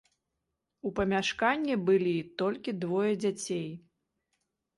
У памяшканні былі толькі двое дзяцей.